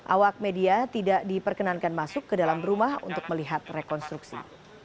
awak media tidak diperkenankan masuk ke dalam rumah untuk melihat rekonstruksi